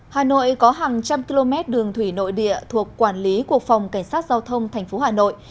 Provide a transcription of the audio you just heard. hà nội có hàng trăm km đường thủy nội địa thuộc quản lý cuộc phòng cảnh sát giao thông tp hà nội